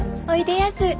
おいでやす。